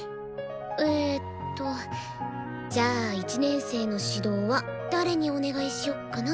えっとじゃあ１年生の指導は誰にお願いしよっかな。